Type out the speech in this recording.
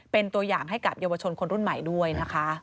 เป็นตัวอย่างให้กับเยาวชนคนรุ่นใหม่ด้วยนะคะ